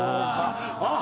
あっ！